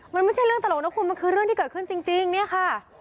มันไม่ใช่เรื่องตลกนะคุณมันคือเรื่องที่เกิดขึ้นจริงเนี่ยค่ะ